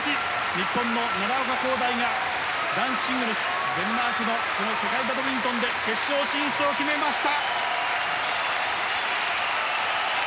日本の奈良岡功大が男子シングルスデンマークの世界バドミントンで決勝進出を決めました！